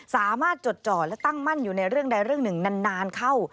สามารถจดจ่อนตั้งมั่นอยู่ในเรื่องด้านหนึ่งนานเข้า